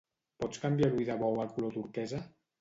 Pots canviar l'ull de bou al color turquesa?